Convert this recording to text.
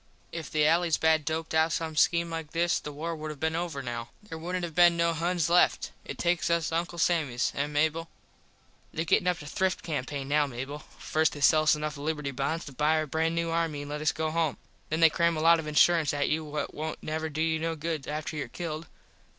If the allys bad doped out some skeme like this the war would have been over now. There wouldnt have been no Huns left. It takes us Uncle Sammies. Eh Mable? [Illustration: "ONE DAY IT'S OUR TEETH"] There gettin up a thrift campain now Mable. First they sell us enough Liberty Bonds to buy a brand new army an let us go home. Then they cram a lot of insurence at you what wont never do you no good after your killed.